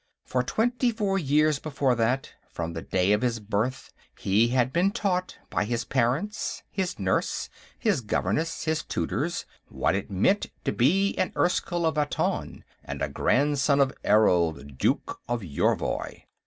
For twenty four years before that, from the day of his birth, he had been taught, by his parents, his nurse, his governess, his tutors, what it meant to be an Erskyll of Aton and a grandson of Errol, Duke of Yorvoy.